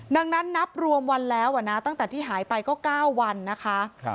ดังนั้นนับรวมวันแล้วนะตั้งแต่ที่หายไปก็๙วันนะคะ